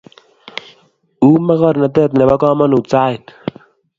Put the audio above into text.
Uu mokornatet nebo kamanut sait